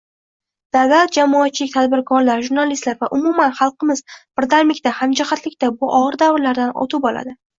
Davlat, jamoatchilik, tadbirkorlar, jurnalistlar va umuman, xalqimiz birdamlikda, hamjihatlikda bu ogʻir davrlardan oʻtib oladi.